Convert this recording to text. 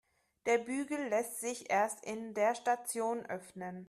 Der Bügel lässt sich erst in der Station öffnen.